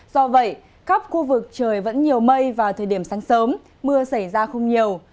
do vậy khắp khu vực trời vẫn nhiều mây vào thời điểm sáng sớm mưa xảy ra không nhiều